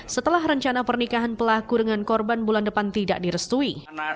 setelah rencana pernikahan pelaku dengan korban bulan depan tidak direstui